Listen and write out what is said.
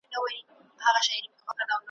خره پرخوله لغته ورکړله محکمه `